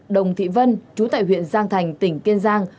đồng thị vân chú tại huyện giang thành tỉnh kiên giang